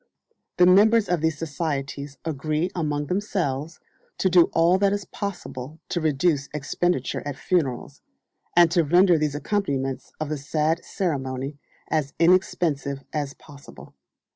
The members of these societies agree among themselves to do all that is possible to reduce expenditure at funerals, and to render the accompaniments of the sad ceremony as inexpensive as possible.